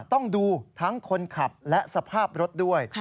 ต้องดูทั้งคนขับและสภาพรถด้วย